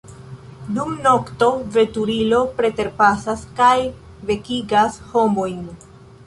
Dum nokto veturilo preterpasas kaj vekigas homojn.